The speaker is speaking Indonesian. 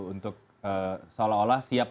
untuk seolah olah siap